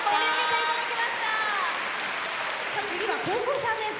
次は高校３年生。